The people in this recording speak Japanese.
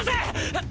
あっ。